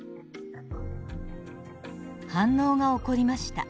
反応が起こりました。